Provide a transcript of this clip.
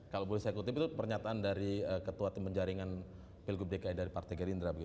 kalau boleh saya kutip itu pernyataan dari ketua tim penjaringan pilgub dki dari partai gerindra